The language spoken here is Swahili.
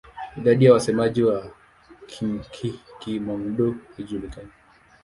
Idadi ya wasemaji wa Kihmong-Dô haijulikani.